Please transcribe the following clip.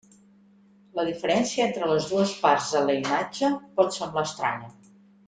La diferència entre les dues parts en la imatge pot semblar estranya.